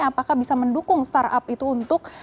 apakah bisa mendukung startup itu untuk